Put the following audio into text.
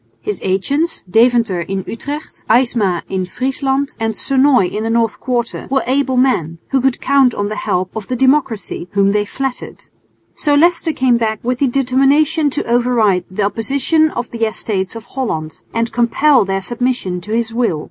His agents, Deventer in Utrecht, Aysma in Friesland and Sonoy in the North Quarter, were able men, who could count on the help of the democracy, whom they flattered. So Leicester came back with the determination to override the opposition of the Estates of Holland and compel their submission to his will.